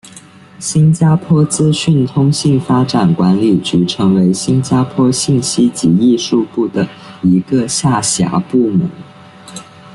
新加坡资讯通信发展管理局成为新加坡信息及艺术部的一个下辖部门。